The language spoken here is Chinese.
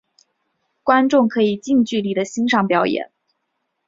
观众可以近距离地欣赏表演。